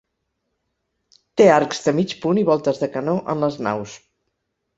Té arcs de mig punt i voltes de canó en les naus.